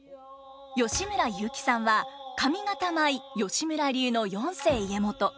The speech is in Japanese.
吉村雄輝さんは上方舞吉村流の四世家元。